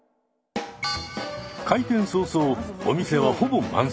開店早々お店はほぼ満席に。